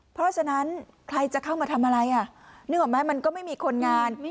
เพราะฉะนั้นใครจะเข้ามาทำอะไรนึกออกไหมมันก็ไม่มีคนงาน